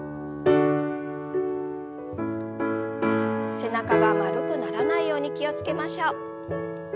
背中が丸くならないように気を付けましょう。